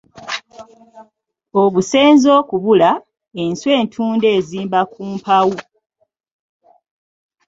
Obusenze okubula, enswa entunda ezimba ku mpawu.